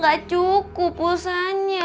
gak cukup pulsaanya